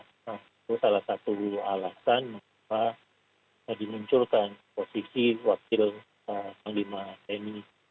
itu salah satu alasan mengapa dimunculkan posisi wakil panglima tni